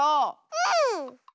うん！